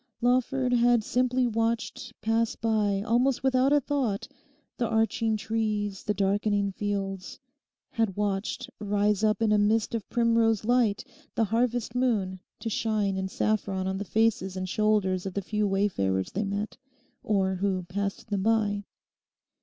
Lawford had simply watched pass by, almost without a thought, the arching trees, the darkening fields; had watched rise up in a mist of primrose light the harvest moon to shine in saffron on the faces and shoulders of the few wayfarers they met, or who passed them by.